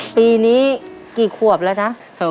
ปีนี้กี่ขวบแล้วนะ